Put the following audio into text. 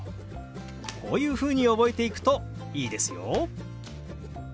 こういうふうに覚えていくといいですよ。